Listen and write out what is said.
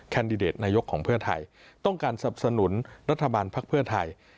ดิเดตนายกของเพื่อไทยต้องการสับสนุนรัฐบาลภักดิ์เพื่อไทย